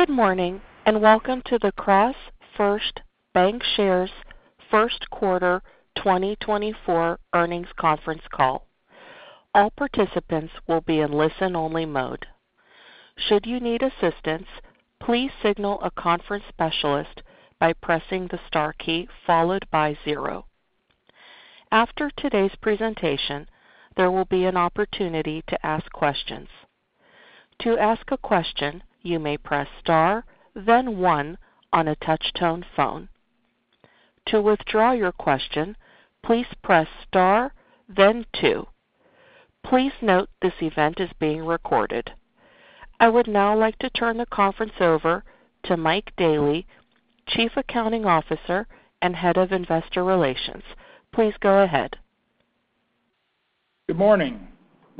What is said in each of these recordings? Good morning and welcome to the CrossFirst Bankshares first quarter 2024 earnings conference call. All participants will be in listen-only mode. Should you need assistance, please signal a conference specialist by pressing the star key followed by zero. After today's presentation, there will be an opportunity to ask questions. To ask a question, you may press star, then one on a touch-tone phone. To withdraw your question, please press star, then two. Please note this event is being recorded. I would now like to turn the conference over to Mike Daley, Chief Accounting Officer and Head of Investor Relations. Please go ahead. Good morning.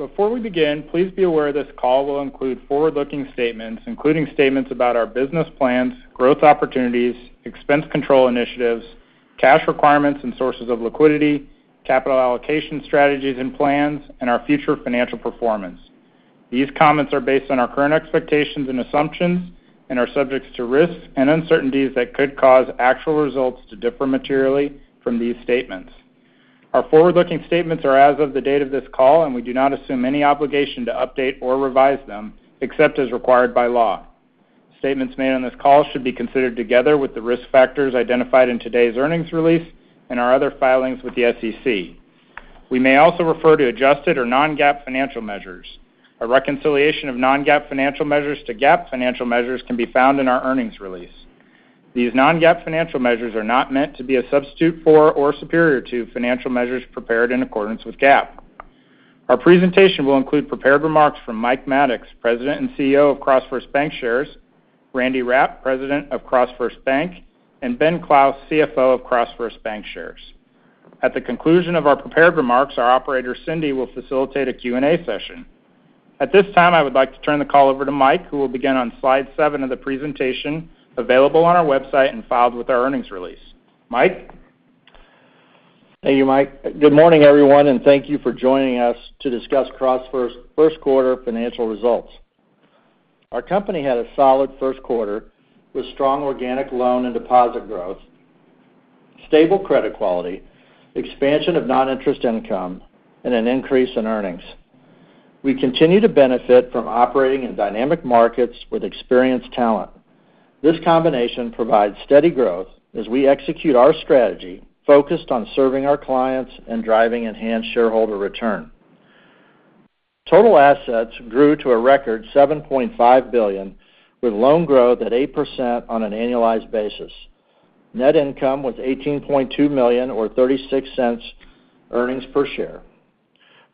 Before we begin, please be aware this call will include forward-looking statements, including statements about our business plans, growth opportunities, expense control initiatives, cash requirements and sources of liquidity, capital allocation strategies and plans, and our future financial performance. These comments are based on our current expectations and assumptions and are subject to risks and uncertainties that could cause actual results to differ materially from these statements. Our forward-looking statements are as of the date of this call, and we do not assume any obligation to update or revise them except as required by law. Statements made on this call should be considered together with the risk factors identified in today's earnings release and our other filings with the SEC. We may also refer to adjusted or non-GAAP financial measures. A reconciliation of non-GAAP financial measures to GAAP financial measures can be found in our earnings release. These non-GAAP financial measures are not meant to be a substitute for or superior to financial measures prepared in accordance with GAAP. Our presentation will include prepared remarks from Mike Maddox, President and CEO of CrossFirst Bankshares, Randy Rapp, President of CrossFirst Bank, and Ben Clouse, CFO of CrossFirst Bankshares. At the conclusion of our prepared remarks, our operator Cindy will facilitate a Q&A session. At this time, I would like to turn the call over to Mike, who will begin on slide seven of the presentation available on our website and filed with our earnings release. Mike? Thank you, Mike. Good morning, everyone, and thank you for joining us to discuss CrossFirst's first quarter financial results. Our company had a solid first quarter with strong organic loan and deposit growth, stable credit quality, expansion of non-interest income, and an increase in earnings. We continue to benefit from operating in dynamic markets with experienced talent. This combination provides steady growth as we execute our strategy focused on serving our clients and driving enhanced shareholder return. Total assets grew to a record $7.5 billion, with loan growth at 8% on an annualized basis. Net income was $18.2 million or $0.36 earnings per share.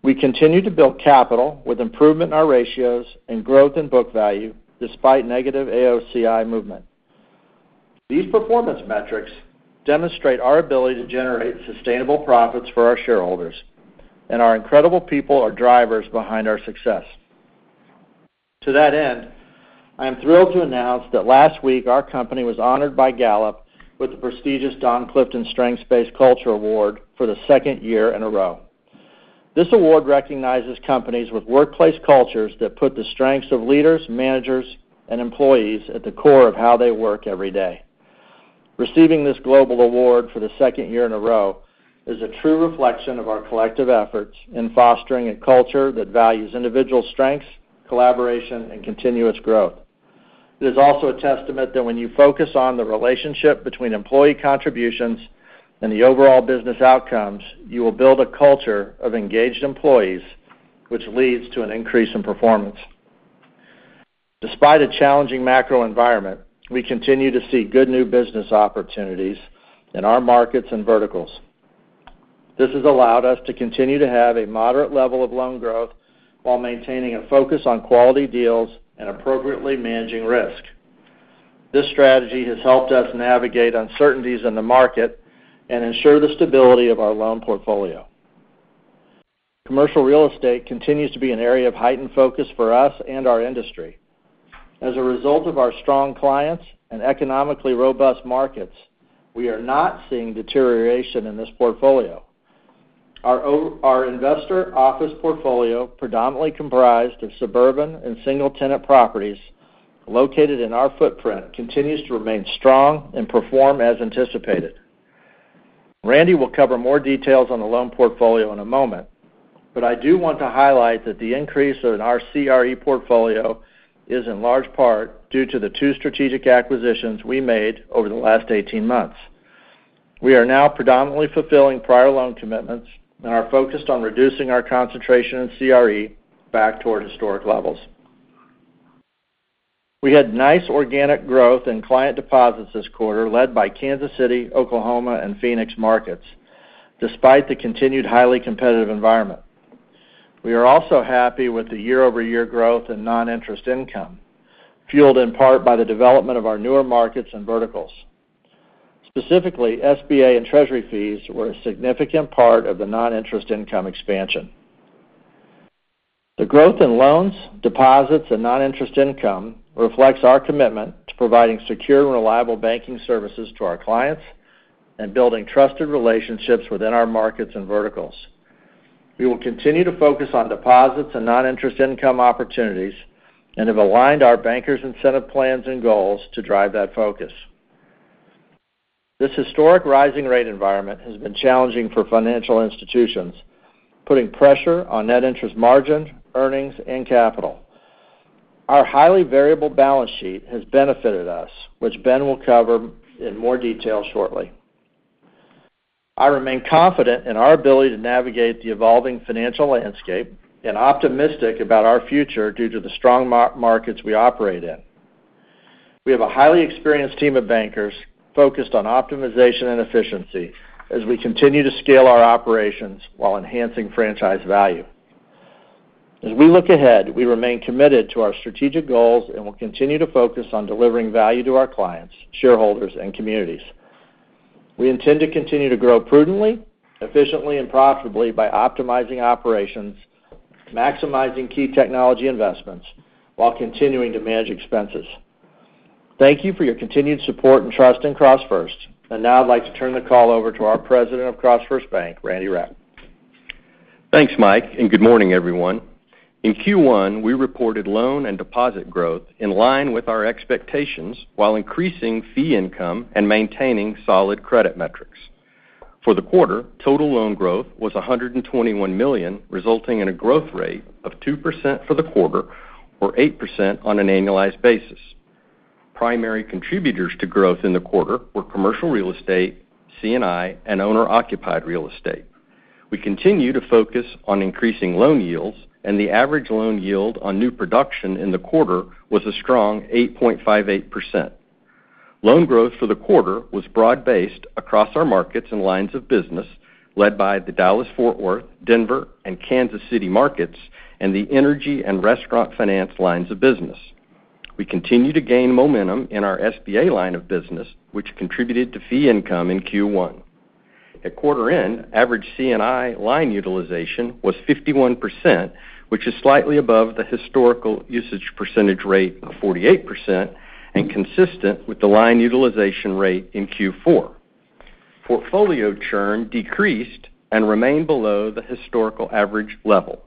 We continue to build capital with improvement in our ratios and growth in book value despite negative AOCI movement. These performance metrics demonstrate our ability to generate sustainable profits for our shareholders, and our incredible people are drivers behind our success. To that end, I am thrilled to announce that last week our company was honored by Gallup with the prestigious Don Clifton Strengths-Based Culture Award for the second year in a row. This award recognizes companies with workplace cultures that put the strengths of leaders, managers, and employees at the core of how they work every day. Receiving this global award for the second year in a row is a true reflection of our collective efforts in fostering a culture that values individual strengths, collaboration, and continuous growth. It is also a testament that when you focus on the relationship between employee contributions and the overall business outcomes, you will build a culture of engaged employees, which leads to an increase in performance. Despite a challenging macro environment, we continue to see good new business opportunities in our markets and verticals. This has allowed us to continue to have a moderate level of loan growth while maintaining a focus on quality deals and appropriately managing risk. This strategy has helped us navigate uncertainties in the market and ensure the stability of our loan portfolio. Commercial real estate continues to be an area of heightened focus for us and our industry. As a result of our strong clients and economically robust markets, we are not seeing deterioration in this portfolio. Our investor office portfolio, predominantly comprised of suburban and single-tenant properties located in our footprint, continues to remain strong and perform as anticipated. Randy will cover more details on the loan portfolio in a moment, but I do want to highlight that the increase in our CRE portfolio is in large part due to the two strategic acquisitions we made over the last 18 months. We are now predominantly fulfilling prior loan commitments and are focused on reducing our concentration in CRE back toward historic levels. We had nice organic growth in client deposits this quarter led by Kansas City, Oklahoma, and Phoenix markets despite the continued highly competitive environment. We are also happy with the year-over-year growth in non-interest income, fueled in part by the development of our newer markets and verticals. Specifically, SBA and Treasury fees were a significant part of the non-interest income expansion. The growth in loans, deposits, and non-interest income reflects our commitment to providing secure and reliable banking services to our clients and building trusted relationships within our markets and verticals. We will continue to focus on deposits and non-interest income opportunities and have aligned our bankers' incentive plans and goals to drive that focus. This historic rising rate environment has been challenging for financial institutions, putting pressure on net interest margin, earnings, and capital. Our highly variable balance sheet has benefited us, which Ben will cover in more detail shortly. I remain confident in our ability to navigate the evolving financial landscape and optimistic about our future due to the strong markets we operate in. We have a highly experienced team of bankers focused on optimization and efficiency as we continue to scale our operations while enhancing franchise value. As we look ahead, we remain committed to our strategic goals and will continue to focus on delivering value to our clients, shareholders, and communities. We intend to continue to grow prudently, efficiently, and profitably by optimizing operations, maximizing key technology investments, while continuing to manage expenses. Thank you for your continued support and trust in CrossFirst, and now I'd like to turn the call over to our President of CrossFirst Bank, Randy Rapp. Thanks, Mike, and good morning, everyone. In Q1, we reported loan and deposit growth in line with our expectations while increasing fee income and maintaining solid credit metrics. For the quarter, total loan growth was $121 million, resulting in a growth rate of 2% for the quarter or 8% on an annualized basis. Primary contributors to growth in the quarter were commercial real estate, C&I, and owner-occupied real estate. We continue to focus on increasing loan yields, and the average loan yield on new production in the quarter was a strong 8.58%. Loan growth for the quarter was broad-based across our markets and lines of business led by the Dallas, Fort Worth, Denver, and Kansas City markets and the energy and restaurant finance lines of business. We continue to gain momentum in our SBA line of business, which contributed to fee income in Q1. At quarter-end, average C&I line utilization was 51%, which is slightly above the historical usage percentage rate of 48% and consistent with the line utilization rate in Q4. Portfolio churn decreased and remained below the historical average level.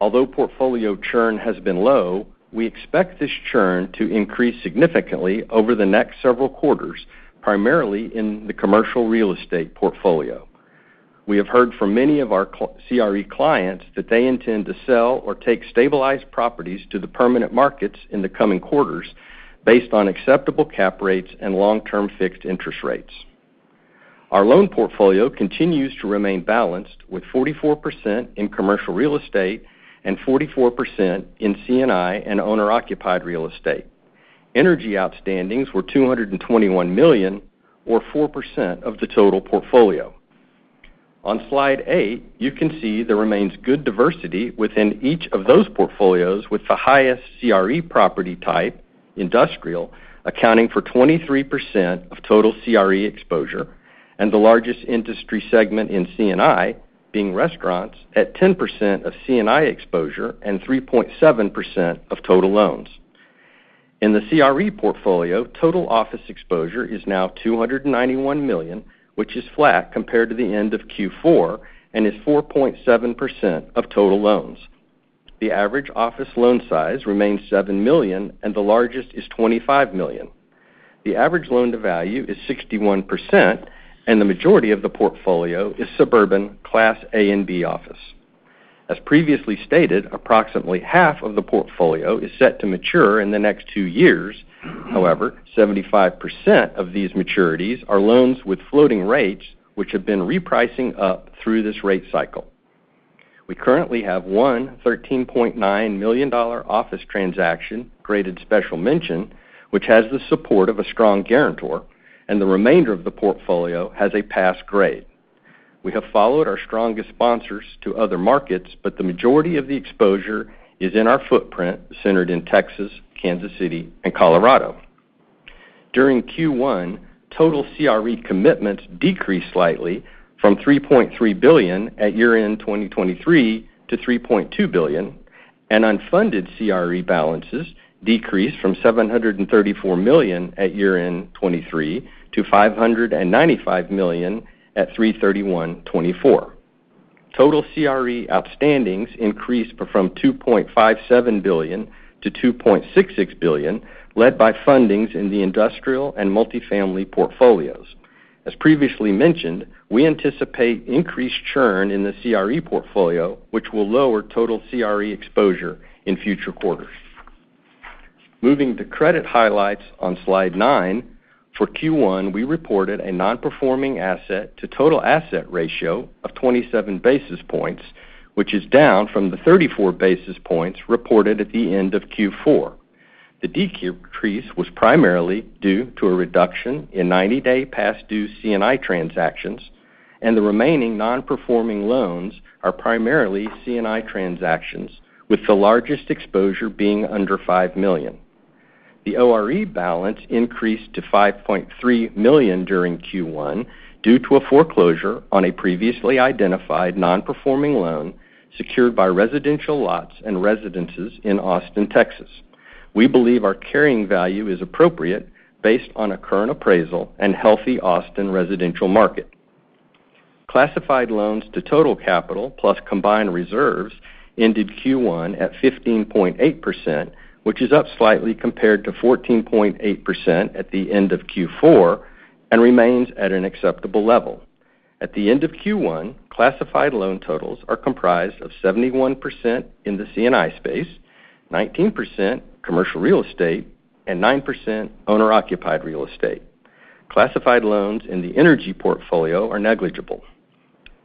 Although portfolio churn has been low, we expect this churn to increase significantly over the next several quarters, primarily in the commercial real estate portfolio. We have heard from many of our CRE clients that they intend to sell or take stabilized properties to the permanent markets in the coming quarters based on acceptable cap rates and long-term fixed interest rates. Our loan portfolio continues to remain balanced, with 44% in commercial real estate and 44% in C&I and owner-occupied real estate. Energy outstandings were $221 million or 4% of the total portfolio. On slide eight, you can see there remains good diversity within each of those portfolios, with the highest CRE property type, industrial, accounting for 23% of total CRE exposure, and the largest industry segment in C&I being restaurants at 10% of C&I exposure and 3.7% of total loans. In the CRE portfolio, total office exposure is now $291 million, which is flat compared to the end of Q4 and is 4.7% of total loans. The average office loan size remains $7 million, and the largest is $25 million. The average loan to value is 61%, and the majority of the portfolio is suburban Class A and B office. As previously stated, approximately half of the portfolio is set to mature in the next two years. However, 75% of these maturities are loans with floating rates, which have been repricing up through this rate cycle. We currently have one $13.9 million office transaction graded special mention, which has the support of a strong guarantor, and the remainder of the portfolio has a pass grade. We have followed our strongest sponsors to other markets, but the majority of the exposure is in our footprint centered in Texas, Kansas City, and Colorado. During Q1, total CRE commitments decreased slightly from $3.3 billion at year-end 2023 to $3.2 billion, and unfunded CRE balances decreased from $734 million at year-end 2023 to $595 million at 3/31/2024. Total CRE outstandings increased from $2.57 billion to $2.66 billion, led by fundings in the industrial and multifamily portfolios. As previously mentioned, we anticipate increased churn in the CRE portfolio, which will lower total CRE exposure in future quarters. Moving to credit highlights on slide nine, for Q1, we reported a non-performing asset to total asset ratio of 27 basis points, which is down from the 34 basis points reported at the end of Q4. The decrease was primarily due to a reduction in 90-day past due C&I transactions, and the remaining non-performing loans are primarily C&I transactions, with the largest exposure being under $5 million. The ORE balance increased to $5.3 million during Q1 due to a foreclosure on a previously identified non-performing loan secured by residential lots and residences in Austin, Texas. We believe our carrying value is appropriate based on a current appraisal and healthy Austin residential market. Classified loans to total capital plus combined reserves ended Q1 at 15.8%, which is up slightly compared to 14.8% at the end of Q4 and remains at an acceptable level. At the end of Q1, classified loan totals are comprised of 71% in the C&I space, 19% commercial real estate, and 9% owner-occupied real estate. Classified loans in the energy portfolio are negligible.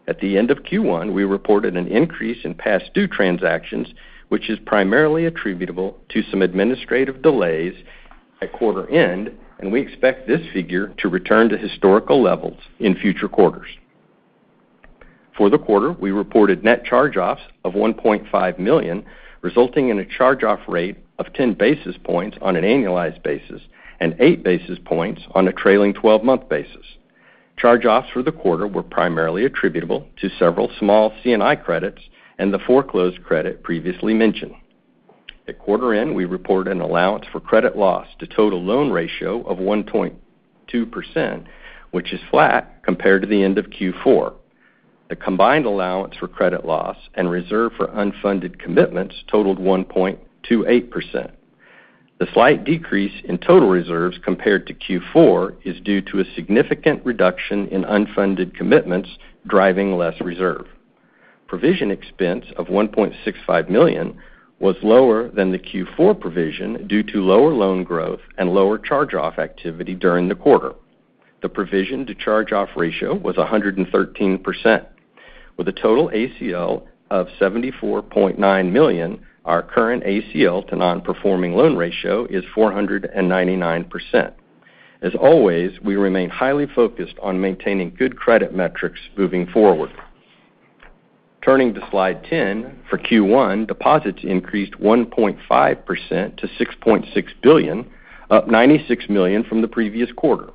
At the end of Q1, we reported an increase in past due transactions, which is primarily attributable to some administrative delays at quarter-end, and we expect this figure to return to historical levels in future quarters. For the quarter, we reported net charge-offs of $1.5 million, resulting in a charge-off rate of 10 basis points on an annualized basis and 8 basis points on a trailing 12-month basis. Charge-offs for the quarter were primarily attributable to several small C&I credits and the foreclosed credit previously mentioned. At quarter-end, we reported an allowance for credit loss to total loan ratio of 1.2%, which is flat compared to the end of Q4. The combined allowance for credit loss and reserve for unfunded commitments totaled 1.28%. The slight decrease in total reserves compared to Q4 is due to a significant reduction in unfunded commitments driving less reserve. Provision expense of $1.65 million was lower than the Q4 provision due to lower loan growth and lower charge-off activity during the quarter. The provision to charge-off ratio was 113%. With a total ACL of $74.9 million, our current ACL to non-performing loan ratio is 499%. As always, we remain highly focused on maintaining good credit metrics moving forward. Turning to slide 10, for Q1, deposits increased 1.5% to $6.6 billion, up $96 million from the previous quarter.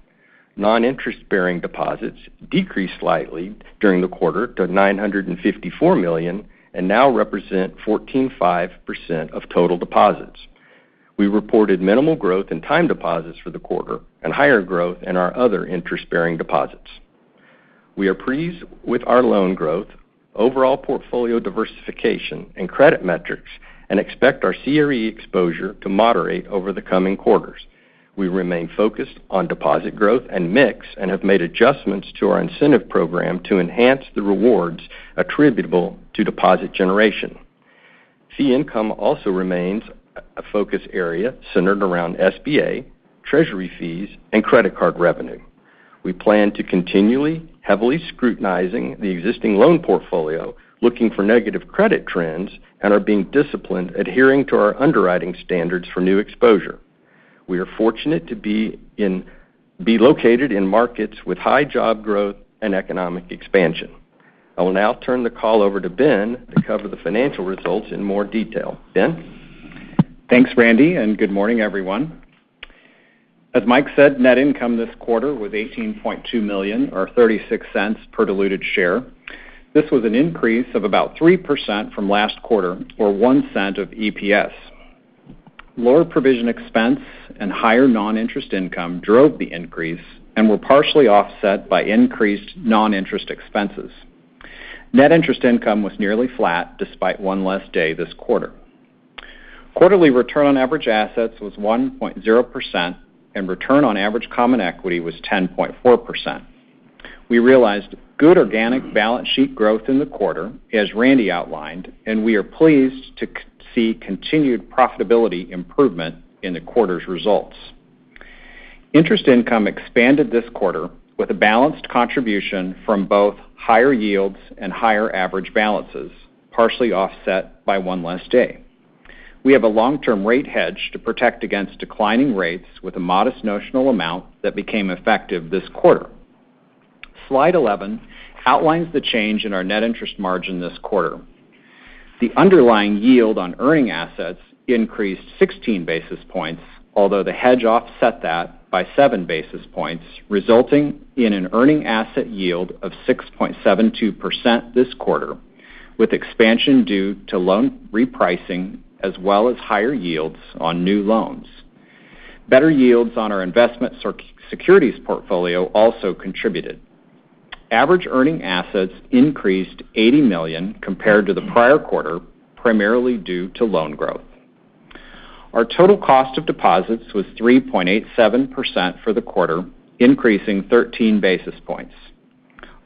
Non-interest-bearing deposits decreased slightly during the quarter to $954 million and now represent 14.5% of total deposits. We reported minimal growth in time deposits for the quarter and higher growth in our other interest-bearing deposits. We are pleased with our loan growth, overall portfolio diversification, and credit metrics, and expect our CRE exposure to moderate over the coming quarters. We remain focused on deposit growth and mix and have made adjustments to our incentive program to enhance the rewards attributable to deposit generation. Fee income also remains a focus area centered around SBA, Treasury fees, and credit card revenue. We plan to continually heavily scrutinize the existing loan portfolio, looking for negative credit trends, and are being disciplined, adhering to our underwriting standards for new exposure. We are fortunate to be located in markets with high job growth and economic expansion. I will now turn the call over to Ben to cover the financial results in more detail. Ben. Thanks, Randy, and good morning, everyone. As Mike said, net income this quarter was $18.2 million or $0.36 per diluted share. This was an increase of about 3% from last quarter or $0.01 of EPS. Lower provision expense and higher non-interest income drove the increase and were partially offset by increased non-interest expenses. Net interest income was nearly flat despite one less day this quarter. Quarterly return on average assets was 1.0%, and return on average common equity was 10.4%. We realized good organic balance sheet growth in the quarter, as Randy outlined, and we are pleased to see continued profitability improvement in the quarter's results. Interest income expanded this quarter with a balanced contribution from both higher yields and higher average balances, partially offset by one less day. We have a long-term rate hedge to protect against declining rates with a modest notional amount that became effective this quarter. Slide 11 outlines the change in our net interest margin this quarter. The underlying yield on earning assets increased 16 basis points, although the hedge offset that by 7 basis points, resulting in an earning asset yield of 6.72% this quarter, with expansion due to loan repricing as well as higher yields on new loans. Better yields on our investment securities portfolio also contributed. Average earning assets increased $80 million compared to the prior quarter, primarily due to loan growth. Our total cost of deposits was 3.87% for the quarter, increasing 13 basis points.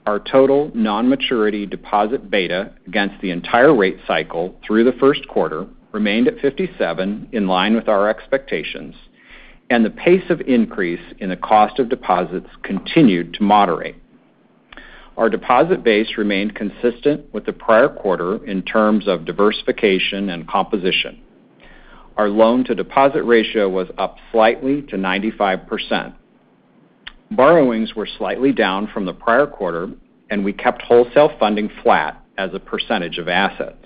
Our total non-maturity deposit beta against the entire rate cycle through the first quarter remained at 57 in line with our expectations, and the pace of increase in the cost of deposits continued to moderate. Our deposit base remained consistent with the prior quarter in terms of diversification and composition. Our loan-to-deposit ratio was up slightly to 95%. Borrowings were slightly down from the prior quarter, and we kept wholesale funding flat as a percentage of assets.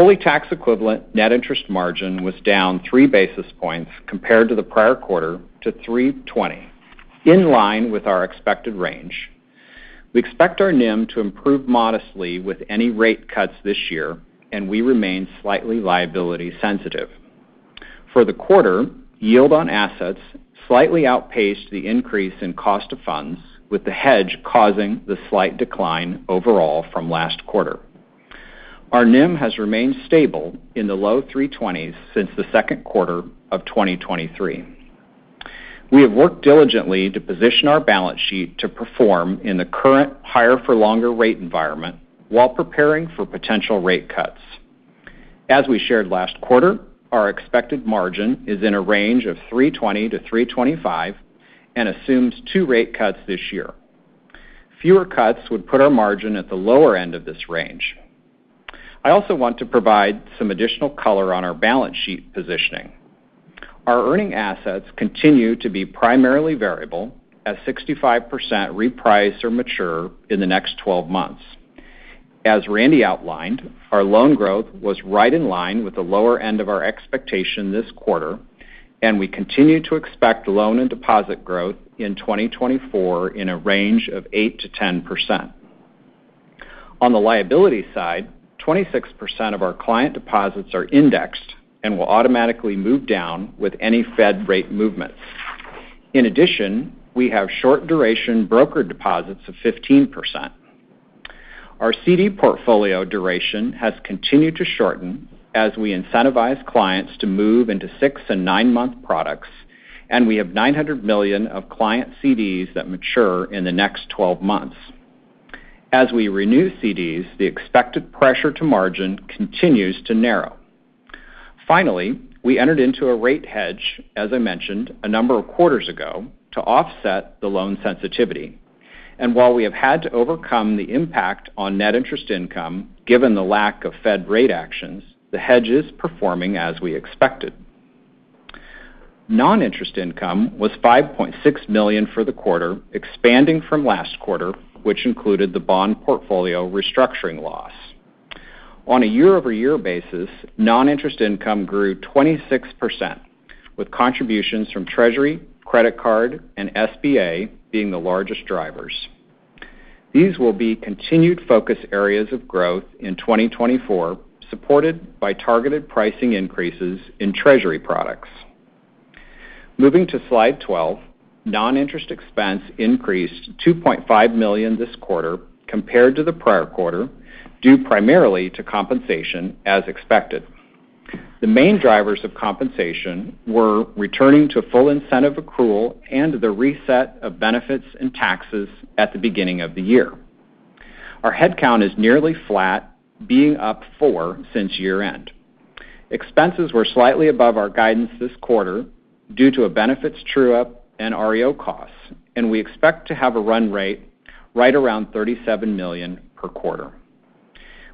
Fully taxable equivalent net interest margin was down 3 basis points compared to the prior quarter to 320, in line with our expected range. We expect our NIM to improve modestly with any rate cuts this year, and we remain slightly liability sensitive. For the quarter, yield on assets slightly outpaced the increase in cost of funds, with the hedge causing the slight decline overall from last quarter. Our NIM has remained stable in the low 320s since the second quarter of 2023. We have worked diligently to position our balance sheet to perform in the current higher-for-longer rate environment while preparing for potential rate cuts. As we shared last quarter, our expected margin is in a range of 320-325 and assumes two rate cuts this year. Fewer cuts would put our margin at the lower end of this range. I also want to provide some additional color on our balance sheet positioning. Our earning assets continue to be primarily variable as 65% reprice or mature in the next 12 months. As Randy outlined, our loan growth was right in line with the lower end of our expectation this quarter, and we continue to expect loan and deposit growth in 2024 in a range of 8%-10%. On the liability side, 26% of our client deposits are indexed and will automatically move down with any Fed rate movements. In addition, we have short-duration brokered deposits of 15%. Our CD portfolio duration has continued to shorten as we incentivize clients to move into six- and nine-month products, and we have $900 million of client CDs that mature in the next 12 months. As we renew CDs, the expected pressure to margin continues to narrow. Finally, we entered into a rate hedge, as I mentioned a number of quarters ago, to offset the loan sensitivity. While we have had to overcome the impact on net interest income given the lack of Fed rate actions, the hedge is performing as we expected. Non-interest income was $5.6 million for the quarter, expanding from last quarter, which included the bond portfolio restructuring loss. On a year-over-year basis, non-interest income grew 26%, with contributions from Treasury, credit card, and SBA being the largest drivers. These will be continued focus areas of growth in 2024, supported by targeted pricing increases in Treasury products. Moving to slide 12, non-interest expense increased $2.5 million this quarter compared to the prior quarter due primarily to compensation, as expected. The main drivers of compensation were returning to full incentive accrual and the reset of benefits and taxes at the beginning of the year. Our headcount is nearly flat, being up four since year-end. Expenses were slightly above our guidance this quarter due to a benefits true-up and REO costs, and we expect to have a run rate right around $37 million per quarter.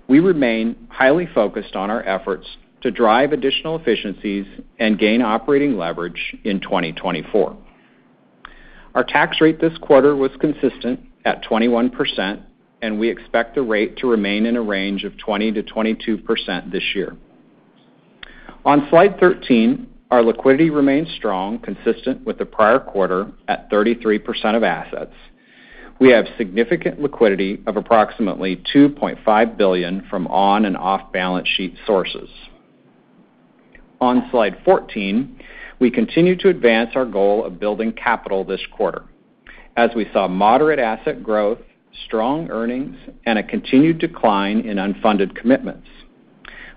We remain highly focused on our efforts to drive additional efficiencies and gain operating leverage in 2024. Our tax rate this quarter was consistent at 21%, and we expect the rate to remain in a range of 20%-22% this year. On slide 13, our liquidity remains strong, consistent with the prior quarter at 33% of assets. We have significant liquidity of approximately $2.5 billion from on- and off-balance sheet sources. On slide 14, we continue to advance our goal of building capital this quarter, as we saw moderate asset growth, strong earnings, and a continued decline in unfunded commitments.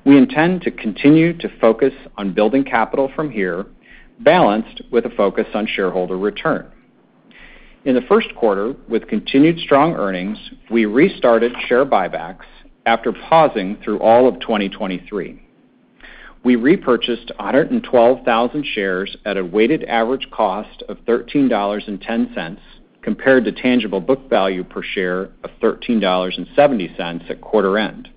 We intend to continue to focus on building capital from here, balanced with a focus on shareholder return. In the first quarter, with continued strong earnings, we restarted share buybacks after pausing through all of 2023. We repurchased 112,000 shares at a weighted average cost of $13.10 compared to tangible book value per share of $13.70 at quarter-end.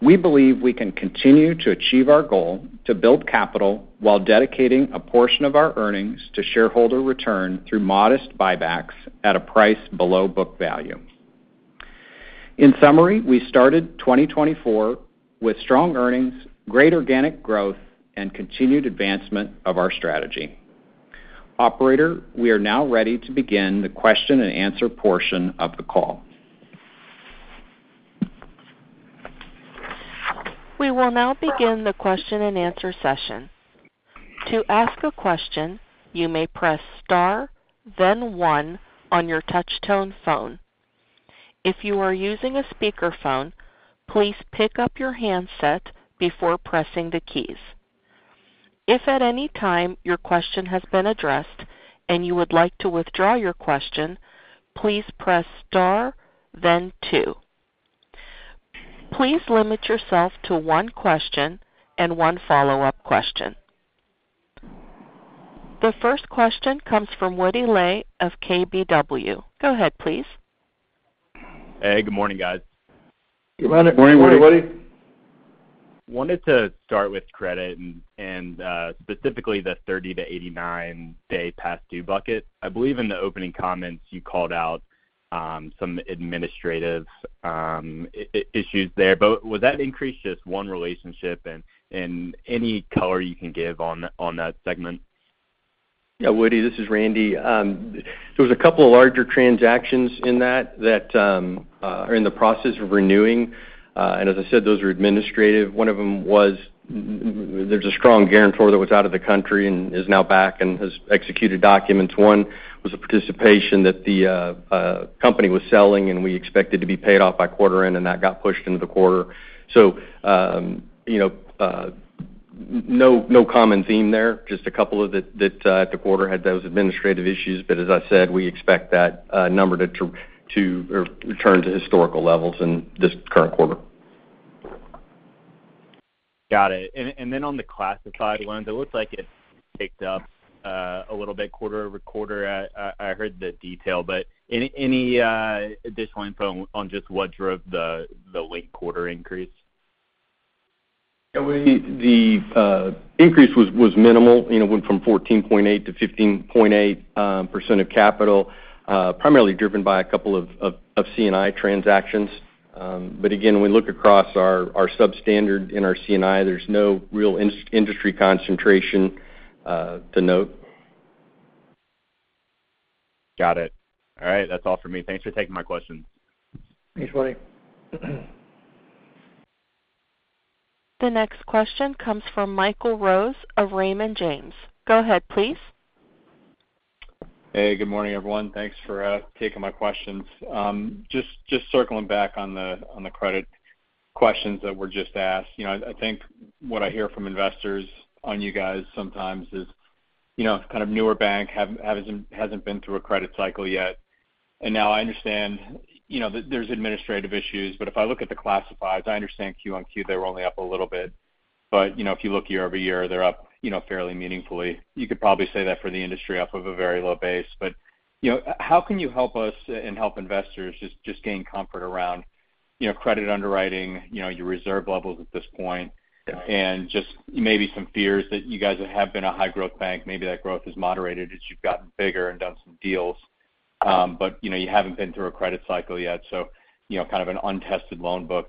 We believe we can continue to achieve our goal to build capital while dedicating a portion of our earnings to shareholder return through modest buybacks at a price below book value. In summary, we started 2024 with strong earnings, great organic growth, and continued advancement of our strategy. Operator, we are now ready to begin the question-and-answer portion of the call. We will now begin the question-and-answer session. To ask a question, you may press star, then one on your touch-tone phone. If you are using a speakerphone, please pick up your handset before pressing the keys. If at any time your question has been addressed and you would like to withdraw your question, please press star, then two. Please limit yourself to one question and one follow-up question. The first question comes from Woody Lay of KBW. Go ahead, please. Hey, good morning, guys. Good morning, Woody. Good morning, Woody. Wanted to start with credit and specifically the 30-89-day past-due bucket. I believe in the opening comments, you called out some administrative issues there, but was that increase just one relationship? Any color you can give on that segment? Yeah, Woody, this is Randy. There was a couple of larger transactions in that that are in the process of renewing. As I said, those are administrative. One of them was, there's a strong guarantor that was out of the country and is now back and has executed documents. One was a participation that the company was selling, and we expected to be paid off by quarter-end, and that got pushed into the quarter. So no common theme there, just a couple of that at the quarter had those administrative issues but as I said, we expect that number to return to historical levels in this current quarter. Got it. Then on the classified loans, it looks like it picked up a little bit quarter-over-quarter. I heard the detail, but any additional info on just what drove the late quarter increase? Yeah, Woody, the increase was minimal, went from 14.8%-15.8% of capital, primarily driven by a couple of C&I transactions. But again, when we look across our substandard in our C&I, there's no real industry concentration to note. Got it. All right, that's all for me. Thanks for taking my questions. Thanks, Woody. The next question comes from Michael Rose of Raymond James. Go ahead, please. Hey, good morning, everyone. Thanks for taking my questions. Just circling back on the credit questions that were just asked, I think what I hear from investors on you guys sometimes is kind of newer bank, hasn't been through a credit cycle yet. Now I understand that there's administrative issues, but if I look at the classifieds, I understand Q on Q, they were only up a little bit. But if you look year-over-year, they're up fairly meaningfully. You could probably say that for the industry, up off a very low base. But how can you help us and help investors just gain comfort around credit underwriting, your reserve levels at this point, and just maybe some fears that you guys have been a high-growth bank, maybe that growth is moderated as you've gotten bigger and done some deals, but you haven't been through a credit cycle yet, so kind of an untested loan book?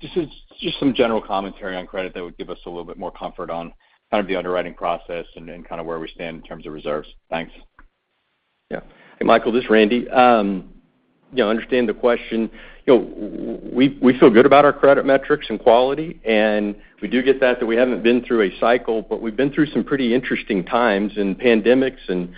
Just some general commentary on credit that would give us a little bit more comfort on kind of the underwriting process and kind of where we stand in terms of reserves. Thanks. Yeah. Hey, Michael, this is Randy. I understand the question. We feel good about our credit metrics and quality, and we do get that that we haven't been through a cycle, but we've been through some pretty interesting times in pandemics and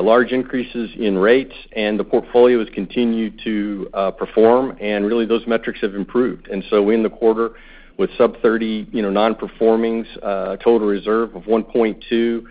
large increases in rates, and the portfolio has continued to perform, and really those metrics have improved. So we're in the quarter with sub-30 non-performings, total reserve of 1.2.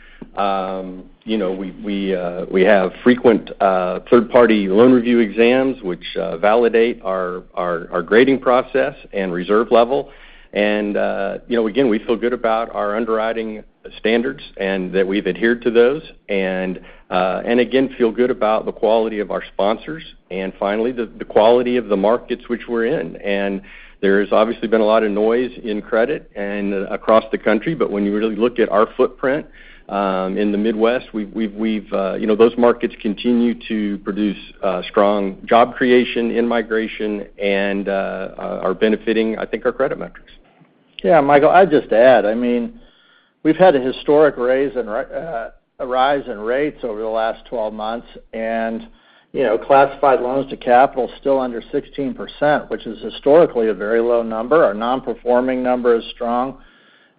We have frequent third-party loan review exams, which validate our grading process and reserve level. Again, we feel good about our underwriting standards and that we've adhered to those, and again, feel good about the quality of our sponsors, and finally, the quality of the markets which we're in. There has obviously been a lot of noise in credit and across the country, but when you really look at our footprint in the Midwest, those markets continue to produce strong job creation, in-migration, and are benefiting, I think, our credit metrics. Yeah, Michael, I'd just add. I mean, we've had a historic rise in rates over the last 12 months, and classified loans to capital still under 16%, which is historically a very low number. Our non-performing number is strong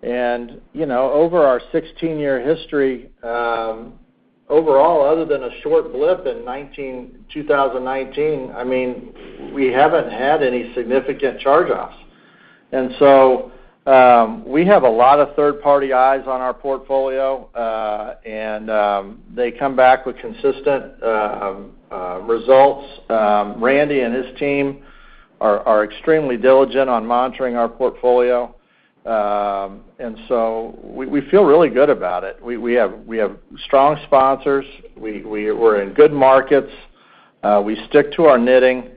and over our 16-year history, overall, other than a short blip in 2019, I mean, we haven't had any significant charge-offs. So we have a lot of third-party eyes on our portfolio, and they come back with consistent results. Randy and his team are extremely diligent on monitoring our portfolio and so we feel really good about it. We have strong sponsors. We're in good markets. We stick to our knitting.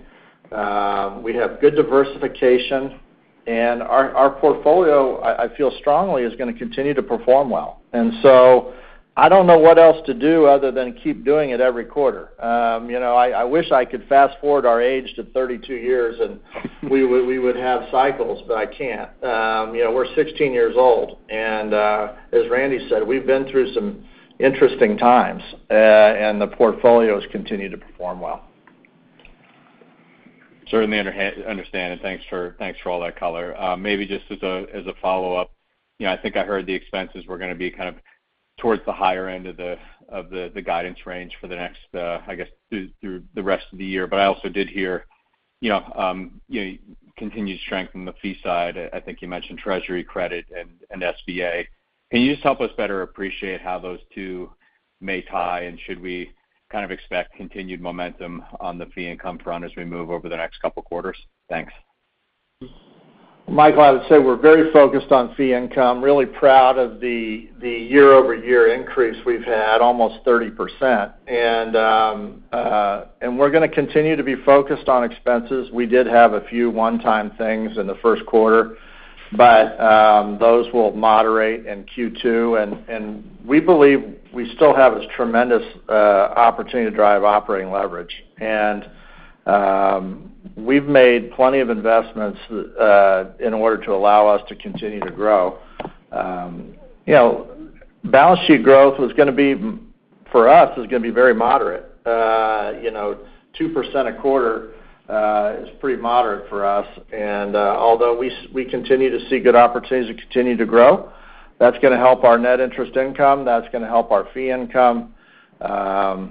We have good diversification and our portfolio, I feel strongly, is going to continue to perform well. So I don't know what else to do other than keep doing it every quarter. I wish I could fast-forward our age to 32 years and we would have cycles, but I can't. We're 16 years old. As Randy said, we've been through some interesting times, and the portfolio has continued to perform well. Certainly understand. Thanks for all that color. Maybe just as a follow-up, I think I heard the expenses were going to be kind of towards the higher end of the guidance range for the next, I guess, through the rest of the year. I also did hear continued strength on the fee side. I think you mentioned Treasury, credit, and SBA. Can you just help us better appreciate how those two may tie, and should we kind of expect continued momentum on the fee income front as we move over the next couple of quarters? Thanks. Michael, I would say we're very focused on fee income, really proud of the year-over-year increase we've had, almost 30%. We're going to continue to be focused on expenses. We did have a few one-time things in the first quarter, but those will moderate in Q2. We believe we still have this tremendous opportunity to drive operating leverage. We've made plenty of investments in order to allow us to continue to grow. Balance sheet growth was going to be for us, is going to be very moderate. 2% a quarter is pretty moderate for us. Although we continue to see good opportunities to continue to grow, that's going to help our net interest income. That's going to help our fee income. We're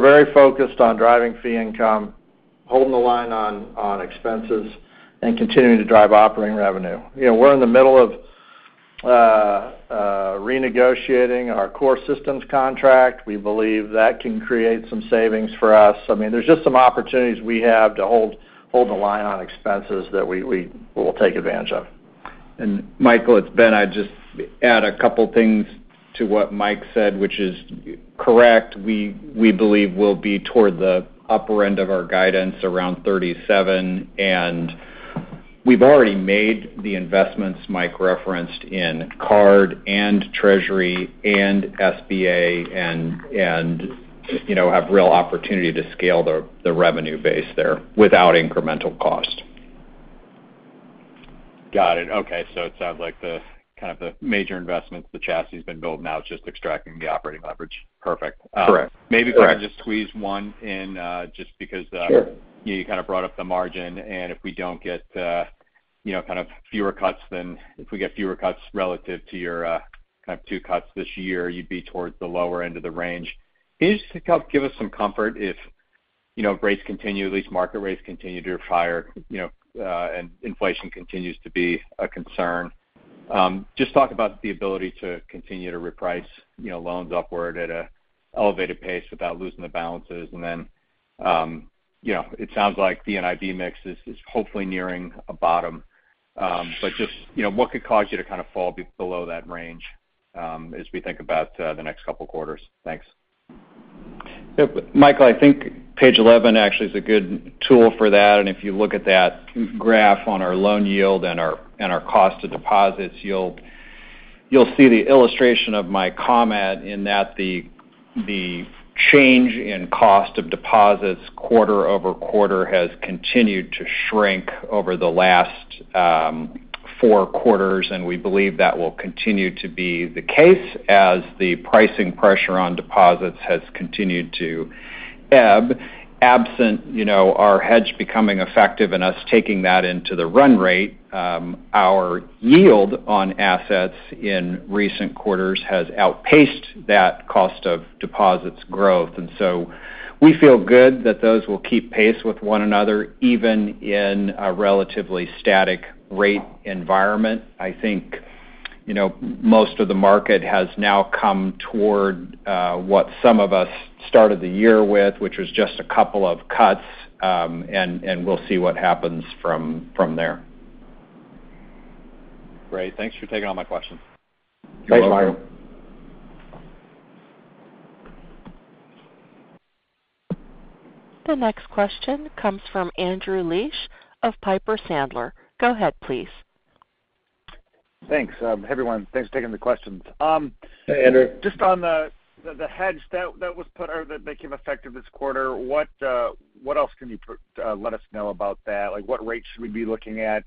very focused on driving fee income, holding the line on expenses, and continuing to drive operating revenue. We're in the middle of renegotiating our core systems contract. We believe that can create some savings for us. I mean, there's just some opportunities we have to hold the line on expenses that we will take advantage of. Michael, it's Ben. I'd just add a couple of things to what Mike said, which is correct. We believe we'll be toward the upper end of our guidance around 37. We've already made the investments Mike referenced in card and Treasury and SBA and have real opportunity to scale the revenue base there without incremental cost. Got it. Okay. So it sounds like kind of the major investments, the chassis has been built now, it's just extracting the operating leverage. Perfect. Maybe if I can just squeeze one in just because you kind of brought up the margin and if we don't get kind of fewer cuts, then if we get fewer cuts relative to your kind of two cuts this year, you'd be towards the lower end of the range. Can you just help give us some comfort if rates continue, at least market rates continue to higher and inflation continues to be a concern? Just talk about the ability to continue to reprice loans upward at an elevated pace without losing the balances. Then it sounds like the NIM mix is hopefully nearing a bottom. Just what could cause you to kind of fall below that range as we think about the next couple of quarters? Thanks. Yeah, Michael, I think page 11 actually is a good tool for that and if you look at that graph on our loan yield and our cost of deposits, you'll see the illustration of my comment in that the change in cost of deposits quarter-over-quarter has continued to shrink over the last four quarters and we believe that will continue to be the case as the pricing pressure on deposits has continued to ebb. Absent our hedge becoming effective and us taking that into the run rate, our yield on assets in recent quarters has outpaced that cost of deposits growth. So we feel good that those will keep pace with one another, even in a relatively static rate environment. I think most of the market has now come toward what some of us started the year with, which was just a couple of cuts. We'll see what happens from there. Great. Thanks for taking all my questions. Thanks, Michael. The next question comes from Andrew Liesch of Piper Sandler. Go ahead, please. Thanks, everyone. Thanks for taking the questions. Hey, Andrew. Just on the hedge that was put or that became effective this quarter, what else can you let us know about that? What rates should we be looking at?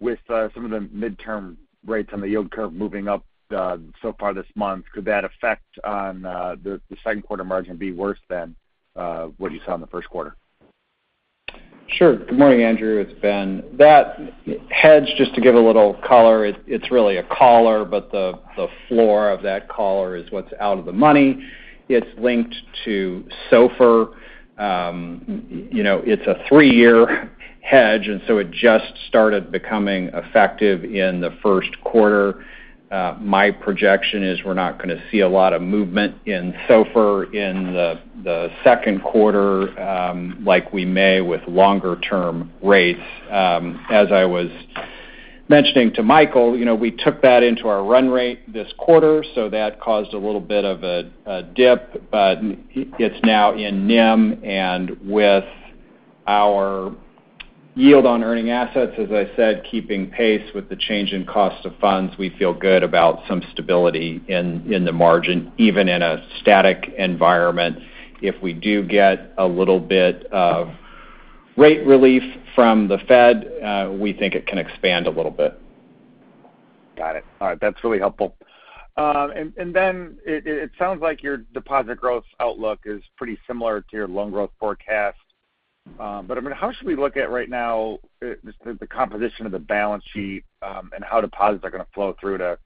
With some of the midterm rates on the yield curve moving up so far this month, could that affect on the second quarter margin be worse than what you saw in the first quarter? Sure. Good morning, Andrew. It's Ben. That hedge, just to give a little color, it's really a collar, but the floor of that collar is what's out of the money. It's linked to SOFR. It's a three-year hedge, and so it just started becoming effective in the first quarter. My projection is we're not going to see a lot of movement in SOFR in the second quarter like we may with longer-term rates. As I was mentioning to Michael, we took that into our run rate this quarter, so that caused a little bit of a dip. But it's now in NIM, and with our yield on earning assets, as I said, keeping pace with the change in cost of funds, we feel good about some stability in the margin, even in a static environment. If we do get a little bit of rate relief from the Fed, we think it can expand a little bit. Got it. All right. That's really helpful. Then it sounds like your deposit growth outlook is pretty similar to your loan growth forecast, but I mean, how should we look at right now the composition of the balance sheet and how deposits are going to flow through to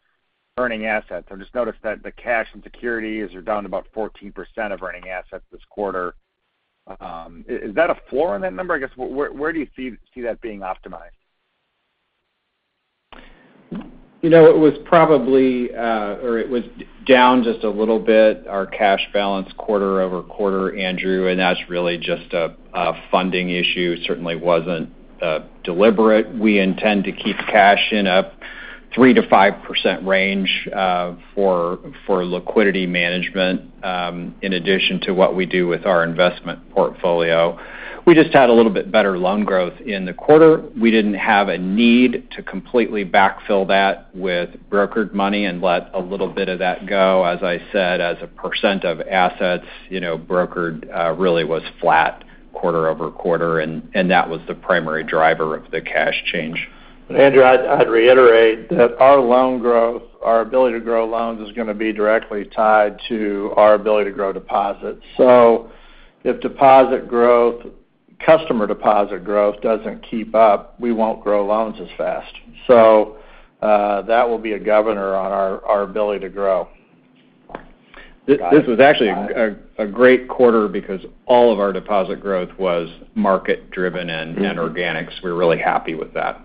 earning assets? I've just noticed that the cash and securities are down to about 14% of earning assets this quarter. Is that a floor on that number? I guess, where do you see that being optimized? It was probably or it was down just a little bit, our cash balance quarter-over-quarter, Andrew. That's really just a funding issue. It certainly wasn't deliberate. We intend to keep cash in a 3%-5% range for liquidity management in addition to what we do with our investment portfolio. We just had a little bit better loan growth in the quarter. We didn't have a need to completely backfill that with brokered money and let a little bit of that go. As I said, as a percent of assets, brokered really was flat quarter-over-quarter, and that was the primary driver of the cash change. But Andrew, I'd reiterate that our loan growth, our ability to grow loans, is going to be directly tied to our ability to grow deposits. So if customer deposit growth doesn't keep up, we won't grow loans as fast. So that will be a governor on our ability to grow. This was actually a great quarter because all of our deposit growth was market-driven and organic. So we're really happy with that.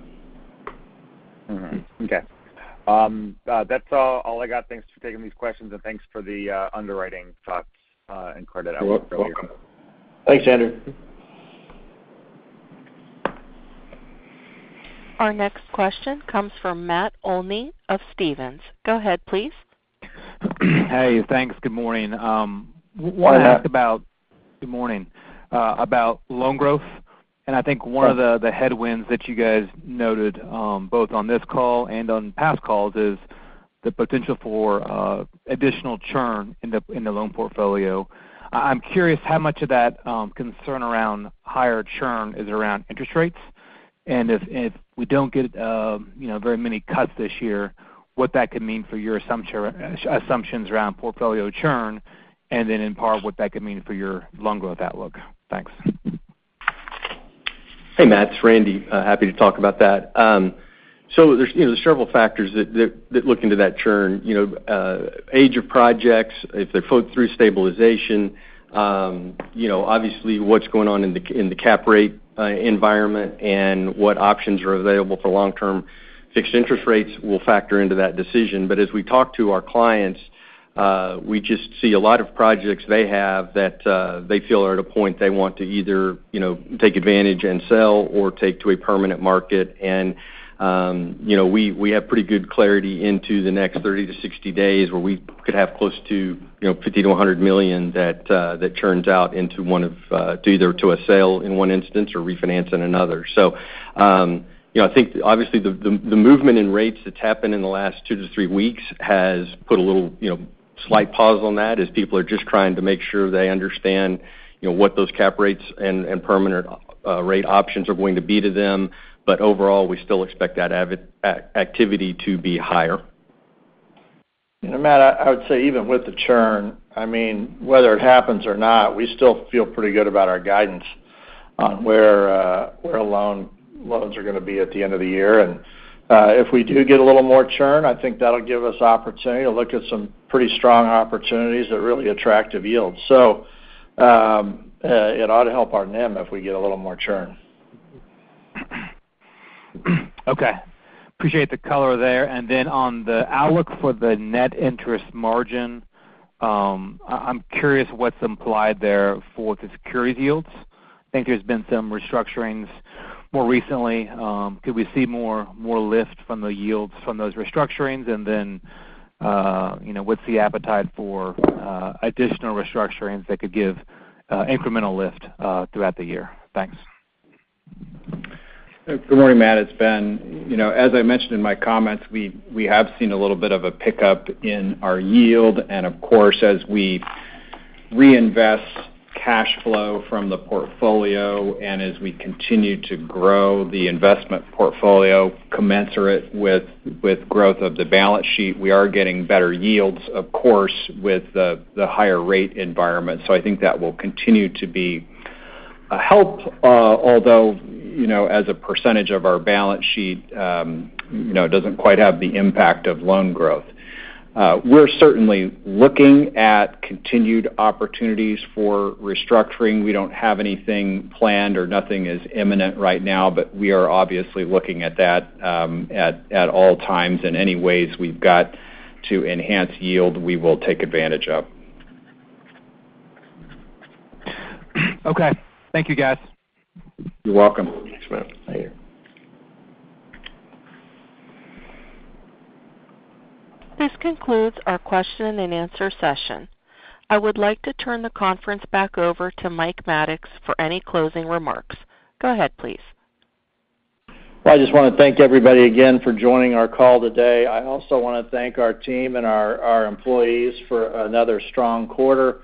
Okay. That's all I got. Thanks for taking these questions, and thanks for the underwriting thoughts and credit outlook earlier. You're welcome. Thanks, Andrew. Our next question comes from Matt Olney of Stephens. Go ahead, please. Hey, thanks. Good morning. I want to ask about loan growth. I think one of the headwinds that you guys noted both on this call and on past calls is the potential for additional churn in the loan portfolio. I'm curious how much of that concern around higher churn is around interest rates. If we don't get very many cuts this year, what that could mean for your assumptions around portfolio churn, and then in part, what that could mean for your loan growth outlook. Thanks. Hey, Matt. It's Randy. Happy to talk about that. So there's several factors that look into that churn. Age of projects, if they're floating through stabilization, obviously, what's going on in the cap rate environment and what options are available for long-term fixed interest rates will factor into that decision. But as we talk to our clients, we just see a lot of projects they have that they feel are at a point they want to either take advantage and sell or take to a permanent market and we have pretty good clarity into the next 30-60 days where we could have close to $50 million-$100 million that churns out into either a sale in one instance or refinance in another. So I think, obviously, the movement in rates that's happened in the last 2-3 weeks has put a little slight pause on that as people are just trying to make sure they understand what those cap rates and permanent rate options are going to be to them. But overall, we still expect that activity to be higher. Matt, I would say even with the churn, I mean, whether it happens or not, we still feel pretty good about our guidance on where loans are going to be at the end of the year. If we do get a little more churn, I think that'll give us opportunity to look at some pretty strong opportunities at really attractive yields. It ought to help our NIM if we get a little more churn. Okay. Appreciate the color there. Then on the outlook for the net interest margin, I'm curious what's implied there for the securities yields. I think there's been some restructurings more recently. Could we see more lift from the yields from those restructurings? Then what's the appetite for additional restructurings that could give incremental lift throughout the year? Thanks. Good morning, Matt. It's Ben. As I mentioned in my comments, we have seen a little bit of a pickup in our yield and of course, as we reinvest cash flow from the portfolio and as we continue to grow the investment portfolio, commensurate with growth of the balance sheet, we are getting better yields, of course, with the higher rate environment. So I think that will continue to be a help, although as a percentage of our balance sheet, it doesn't quite have the impact of loan growth. We're certainly looking at continued opportunities for restructuring. We don't have anything planned or nothing is imminent right now, but we are obviously looking at that at all times and any ways we've got to enhance yield, we will take advantage of. Okay. Thank you, guys. You're welcome. Thanks, Matt. This concludes our question-and-answer session. I would like to turn the conference back over to Mike Maddox for any closing remarks. Go ahead, please. Well, I just want to thank everybody again for joining our call today. I also want to thank our team and our employees for another strong quarter.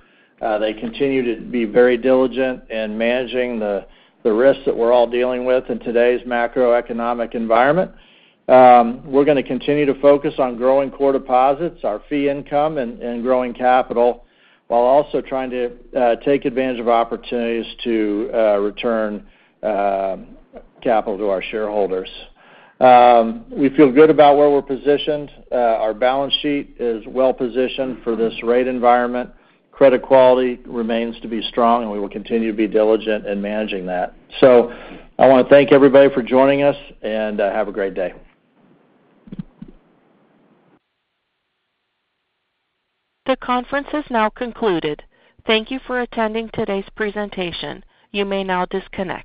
They continue to be very diligent in managing the risks that we're all dealing with in today's macroeconomic environment. We're going to continue to focus on growing core deposits, our fee income, and growing capital while also trying to take advantage of opportunities to return capital to our shareholders. We feel good about where we're positioned. Our balance sheet is well-positioned for this rate environment. Credit quality remains to be strong, and we will continue to be diligent in managing that. So I want to thank everybody for joining us, and have a great day. The conference is now concluded. Thank you for attending today's presentation. You may now disconnect.